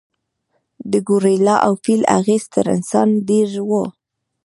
د ګورېلا او فیل اغېز تر انسان ډېر و.